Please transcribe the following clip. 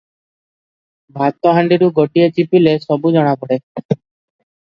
ଭାତହାଣ୍ତିରୁ ଗୋଟିଏ ଚିପିଲେ ସବୁ ଜଣାପଡ଼େ ।